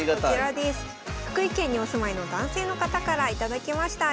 福井県にお住まいの男性の方から頂きました。